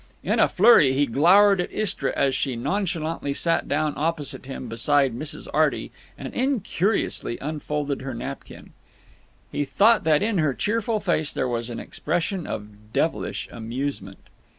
In a flurry he glowered at Istra as she nonchalantly sat down opposite him, beside Mrs. Arty, and incuriously unfolded her napkin. He thought that in her cheerful face there was an expression of devilish amusement.